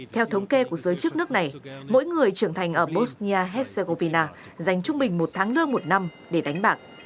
theo thống kê của giới chức nước này mỗi người trưởng thành ở bosnia herzegovina dành trung bình một tháng lương một năm để đánh bạc